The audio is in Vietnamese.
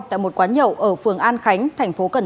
tại một quán nhậu ở phường an khánh tp cn